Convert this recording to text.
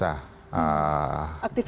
aktivitas perekonomian sudah